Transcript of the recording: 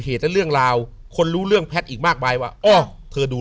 และเรื่องราวคนรู้เรื่องแพทย์อีกมากมายว่าอ้อเธอดู